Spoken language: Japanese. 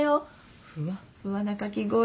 ふわっふわなかき氷。